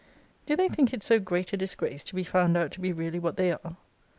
Do they think it so great a disgrace to be found out to be really what they are?